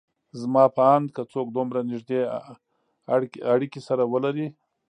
زما په اند که څوک دومره نيږدې اړکې سره ولري